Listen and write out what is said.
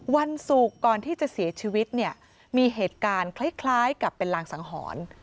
วันศุกร์ก่อนที่จะเสียชีวิตเนี่ยมีเหตุการณ์คล้ายกับเป็นรางสังหรณ์